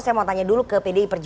saya mau tanya dulu ke pdi perjuangan